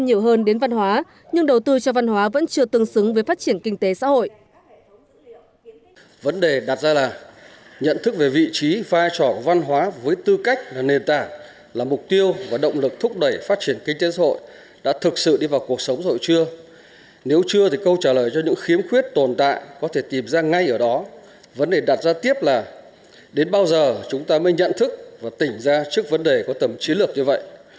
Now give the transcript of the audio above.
nhiều hơn đến văn hóa nhưng đầu tư cho văn hóa vẫn chưa tương xứng với phát triển kinh tế xã hội